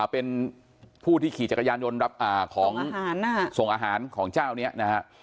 เป็นผู้ที่ขี่จักรยานยนต์รับของส่งอาหารของเจ้านี้นะฮะ